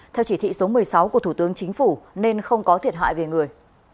theo chỉ thị số một mươi sáu của thủ tướng chính phủ nên không có thiệt hại về người